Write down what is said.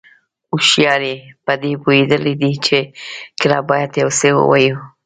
هوښیاري پدې پوهېدل دي چې کله باید یو څه ووایو.